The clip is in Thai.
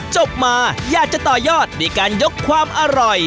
จบมาอยากจะต่อยอดด้วยการยกความอร่อย